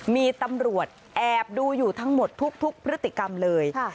มีตำรวจแอบดูอยู่ทั้งหมดทุกพฤติกรรมเลย